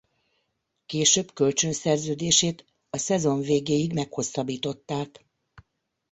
Később kölcsönszerződését a szezon végéig meghosszabbították.